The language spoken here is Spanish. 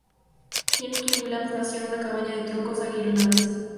Hiram King Williams nació en una cabaña de troncos en Garland.